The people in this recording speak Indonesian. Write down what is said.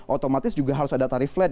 otomatis juga harus ada tarif flat